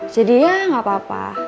jadi ya gak apa apa